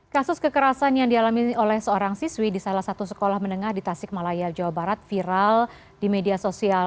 kasus kekerasan yang dialami oleh seorang siswi di salah satu sekolah menengah di tasik malaya jawa barat viral di media sosial